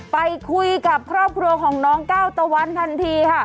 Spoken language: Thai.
ไปคุยกับครอบครัวของน้องก้าวตะวันทันทีค่ะ